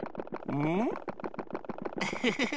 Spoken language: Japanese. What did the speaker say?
うん？